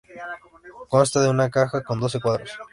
Consta de una caja con doce cuadros.